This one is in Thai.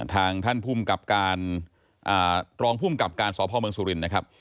ทางท่านภูมิกับการรองภูมิกับการสพเมืองสุรินทร์นะครับ